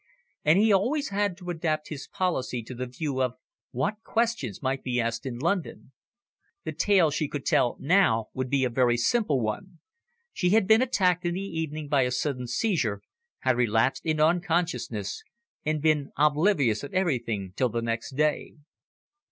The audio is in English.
And he always had to adapt his policy to the view of what questions might be asked in London. The tale she could tell now would be a very simple one. She had been attacked in the evening by a sudden seizure, had relapsed into unconsciousness, and been oblivious of everything till the next day.